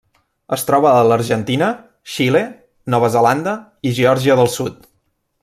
Es troba a l'Argentina, Xile, Nova Zelanda i Geòrgia del Sud.